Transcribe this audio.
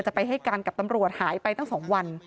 ไปให้การกับตำรวจหายไปตั้ง๒วัน